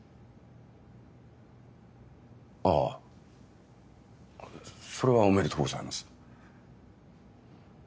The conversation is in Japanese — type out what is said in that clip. ああそれはおめでとうございます